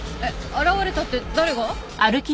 現れたって誰が？